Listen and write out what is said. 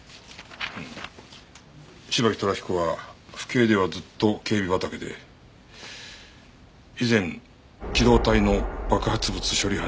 芝木寅彦は府警ではずっと警備畑で以前機動隊の爆発物処理班にも在籍していた。